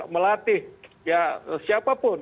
melatih ya siapapun